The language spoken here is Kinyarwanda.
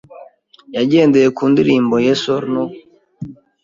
yagendeye ku ndirimbo Yes Or No